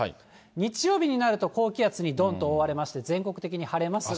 日曜日になると、高気圧にどんと覆われまして、全国的に晴れますが。